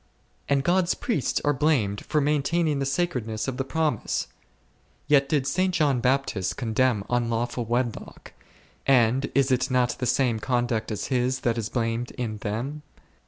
And God's priests are blamed for maintaining the sacredness of the promise ! Yet did St. John Bap tist condemn unlawful wedlock ; and is it not the same conduct as his, that is blamed in them